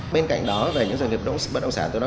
bên cạnh đó về những doanh nghiệp bất động sản tôi nói